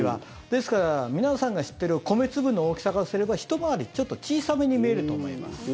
ですから、皆さんが知っている米粒の大きさからすればひと回りちょっと小さめに見えると思います。